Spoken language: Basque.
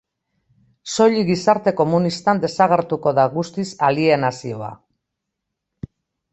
Soilik gizarte komunistan desagertuko da guztiz alienazioa.